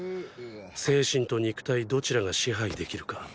精神と肉体どちらが支配できるか。